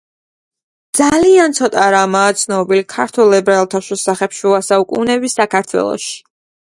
ძალიან ცოტა რამაა ცნობილი ქართველ ებრაელთა შესახებ შუა საუკუნეების საქართველოში.